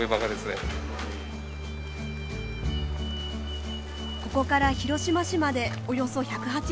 ここから広島市までおよそ１８０キロ。